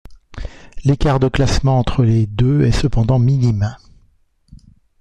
L'écart de classement entre les deux est cependant minime.